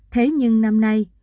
thế nhưng năm nay